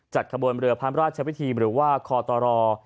ขบวนเรือพระราชวิธีหรือว่าคอตร